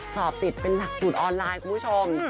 สอบติดเป็นหลักสูตรออนไลน์คุณผู้ชม